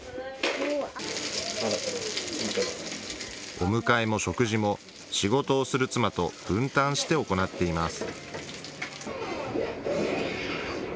お迎えも食事も、仕事をする妻と分担して行っています。